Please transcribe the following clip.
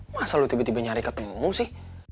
masa lalu tiba tiba nyari ketemu sih